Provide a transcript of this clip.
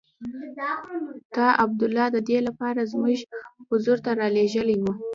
تا عبدالله د دې لپاره زموږ حضور ته رالېږلی وو.